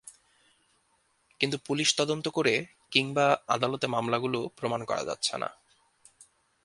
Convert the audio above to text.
কিন্তু পুলিশ তদন্ত করে কিংবা আদালতে মামলাগুলো প্রমাণ করা যাচ্ছে না।